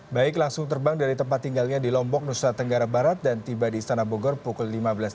baik langsung terbang dari tempat tinggalnya di lombok nusa tenggara barat dan tiba di istana bogor pukul lima belas tiga puluh